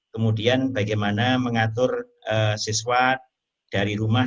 kemudian bagaimana mengatur siswa dari rumah